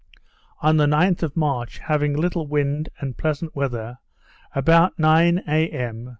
On the 9th of March, having little wind and pleasant weather, about nine a. m.